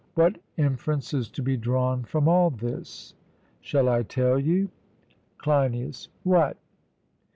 What inference is to be drawn from all this? Shall I tell you? CLEINIAS: What?